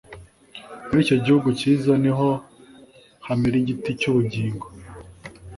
Muri icyo gihugu cyiza niho hamera igiti cy’ubugingo